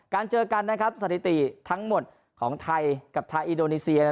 การเจอกันสถิติทั้งหมดของไทยกับไทยอิโดนีเซีย